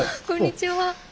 こんにちは。